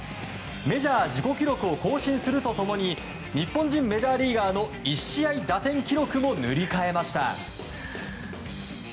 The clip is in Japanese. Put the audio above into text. メジャー自己記録を更新すると共に日本人メジャーリーガーの１試合打点記録も塗り替えました。